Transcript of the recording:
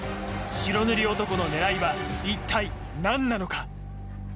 白塗り男の狙いは一体何なのか？